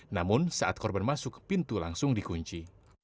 namun saat korban masuk pintu langsung dikunci